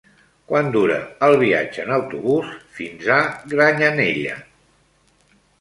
Quant dura el viatge en autobús fins a Granyanella?